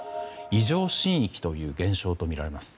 異常震域という現象とみられます。